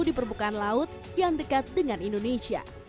badan meteorologi menemukan suhu di permukaan laut yang dekat dengan indonesia